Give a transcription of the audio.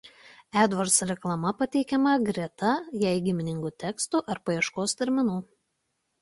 AdWords reklama pateikiama greta jai giminingų tekstų ar paieškos terminų.